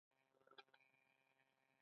تو یویو په طب کې نوبل وګاټه.